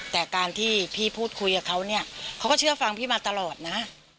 แต่การที่พี่พูดคุยกับเขาเนี่ยเขาก็เชื่อฟังพี่มาตลอดนะ